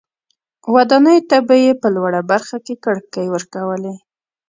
ودانیو ته به یې په لوړه برخه کې کړکۍ ورکولې.